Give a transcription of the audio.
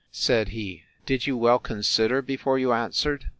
Said he, Did you well consider before you answered?